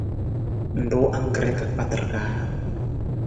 Ng ruu angkre ka kpatar kaa?